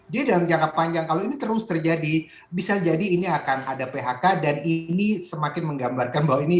jadi dalam jangka panjang kalau ini terus terjadi bisa jadi ini akan ada phk dan ini semakin menggambarkan bahwa ini